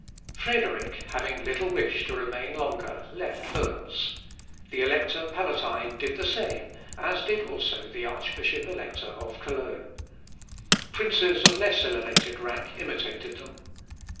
Frederick, having little wish to remain longer, left Worms. The Elector Palatine did the same, as did also the Archbishop Elector of Cologne. Princes of less elevated rank imitated them.